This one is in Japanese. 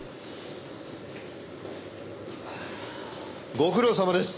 ご苦労さまです。